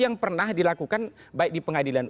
yang pernah dilakukan baik di pengadilan